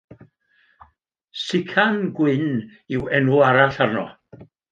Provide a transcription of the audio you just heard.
Sucan gwyn yw enw arall arno.